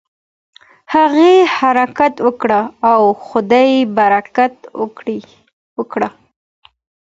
هغې حرکت وکړ او خدای برکت ورکړ.